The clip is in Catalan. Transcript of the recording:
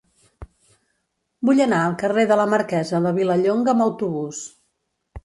Vull anar al carrer de la Marquesa de Vilallonga amb autobús.